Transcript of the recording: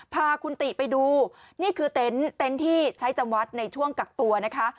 พาคุณติไปดูนี่คือเต็นต์ที่ใช้จำวัดในช่วงกักตัวนะคะ